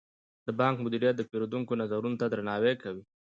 د بانک مدیریت د پیرودونکو نظرونو ته درناوی کوي.